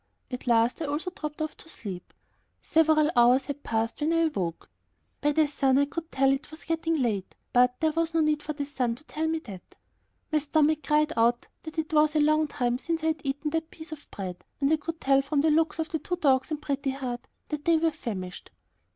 At last I also dropped off to sleep. Several hours had passed when I awoke. By the sun I could tell that it was getting late, but there was no need for the sun to tell me that. My stomach cried out that it was a long time since I had eaten that piece of bread. And I could tell from the looks of the two dogs and Pretty Heart that they were famished.